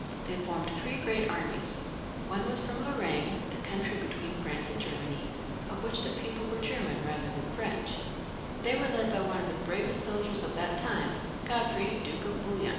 They formed three great armies ; one was from Lorraine, the country between France and Germany, of which the people were German rather than Frencih ; they were led by one of the bravest soldiers of that time, Godfrey, Duke of Bouillon.